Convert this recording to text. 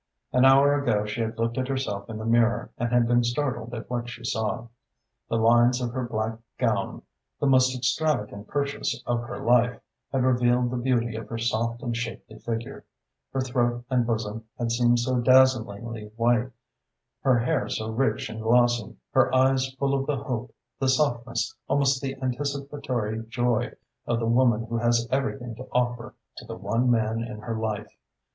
An hour ago she had looked at herself in the mirror and had been startled at what she saw. The lines of her black gown, the most extravagant purchase of her life, had revealed the beauty of her soft and shapely figure. Her throat and bosom had seemed so dazzlingly white, her hair so rich and glossy, her eyes full of the hope, the softness, almost the anticipatory joy of the woman who has everything to offer to the one man in her life.